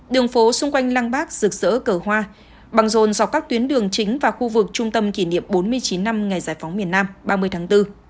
đường phố xung quanh lăng bác rực rỡ cờ hoa bằng rồn dọc các tuyến đường chính và khu vực trung tâm kỷ niệm bốn mươi chín năm ngày giải phóng miền nam ba mươi tháng bốn